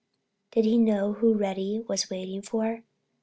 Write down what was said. Did he know who Reddy was waiting for?